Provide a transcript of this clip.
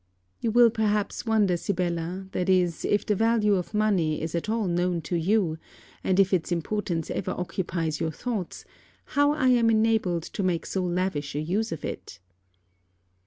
You will perhaps wonder, Sibella, that is, if the value of money is at all known to you, and if its importance ever occupies your thoughts, how am I enabled to make so lavish a use of it.